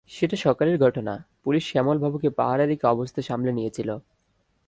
সেটা সকালের ঘটনা, পুলিশ শ্যামল বাবুকে পাহারায় রেখে অবস্থা সামলে নিয়েছিল।